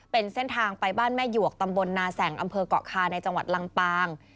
เป็นเส้นทางไปบ้านแม่หยวกตำบลนาแสงอำเภอกเกาะคาในจังหวัดลำปาง